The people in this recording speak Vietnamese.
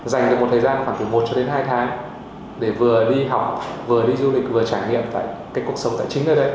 dành được một thời gian khoảng từ một cho đến hai tháng để vừa đi học vừa đi du lịch vừa trải nghiệm tại cái cuộc sống tài chính ở đây